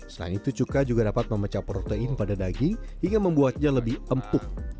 selain itu cuka juga dapat memecah protein pada daging hingga membuatnya lebih empuk